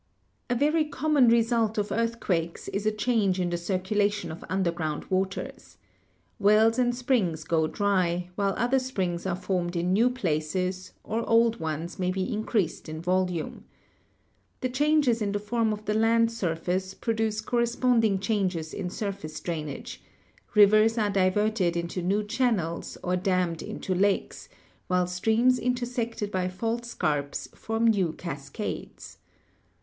A very common result of earthquakes is a change in the io6 GEOLOGY circulation of underground waters. Wells and springs go dry, while other springs are formed in new places, or old ones may be increased in volume. The changes in the form of the land surface produce corresponding changes in surface drainage ; rivers are diverted into new channels or dammed into lakes, while streams intersected by fault scarps form new cascades.